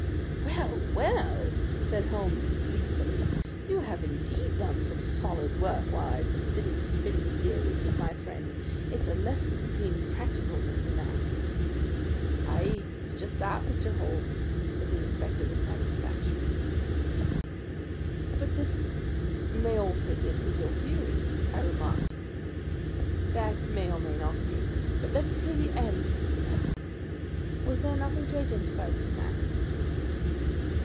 "Well, well," said Holmes gleefully, "you have indeed done some solid work while I have been sitting spinning theories with my friend! It's a lesson in being practical, Mr. Mac." "Ay, it's just that, Mr. Holmes," said the inspector with satisfaction. "But this may all fit in with your theories," I remarked. "That may or may not be. But let us hear the end, Mr. Mac. Was there nothing to identify this man?"